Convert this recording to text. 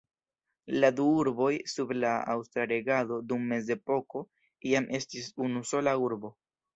La du urboj sub la aŭstra regado dum mezepoko iam estis unu sola urbo.